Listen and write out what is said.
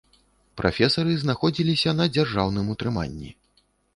Прафесары знаходзіліся на дзяржаўным утрыманні.